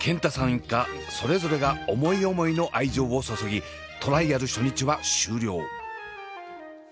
一家それぞれが思い思いの愛情を注ぎトライアル初日は終了。